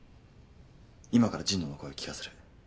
今から神野の声を聞かせる。